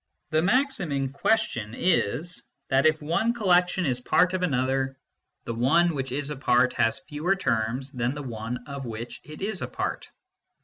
The maxim in question is, that if one collection is part 86 MYSTICISM AND LOGIC of another, the one which is a part has fewer terms than the one of which it is a part.